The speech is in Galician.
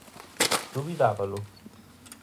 Dubidábalo?